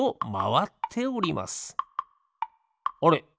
あれ？